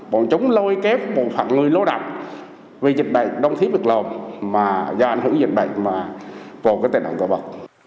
bọn chúng lôi kép một phần người lô động vì dịch bệnh đông thiếp được lộn mà do ảnh hưởng dịch bệnh mà bộ cái tài đoạn tội bật